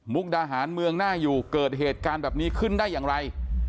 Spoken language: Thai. ดาหารเมืองหน้าอยู่เกิดเหตุการณ์แบบนี้ขึ้นได้อย่างไร